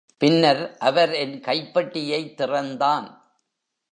பின்னர் அவர் என் கைப்பெட்டியைத் திறந்தான்.